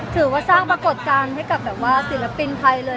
ถือว่าสร้างปรากฏการณ์ให้กับแบบว่าศิลปินไทยเลย